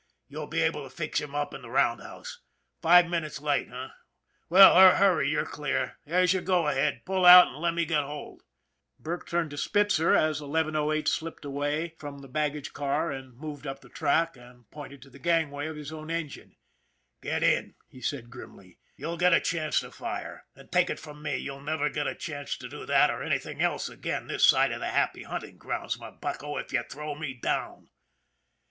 " You'll be able to fix him up in the roundhouse. Five minutes late, h'm? Well, hurry, you're clear. There's your * go ahead.' Pull out and let me get hold." Burke turned to Spitzer, as 1108 slipped away from 86 ON THE IRON AT BIG CLOUD the baggage car and moved up the track, and pointed to the gangway of his own engine. " Get in," he said grimly. " You'll get a chance to fire, and, take it from me, you'll never get a chance to do that or anything else again this side of the happy hunting grounds, my bucko, if you throw me down."